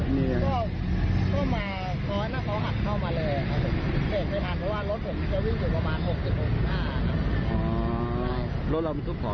ก็มาจนนักของเข้ามาเลยเสกไม่ทัน๕๐๐บาตร